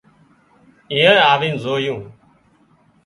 ايئانئي آوين زويون